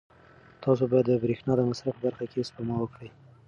تاسو باید د برېښنا د مصرف په برخه کې سپما وکړئ.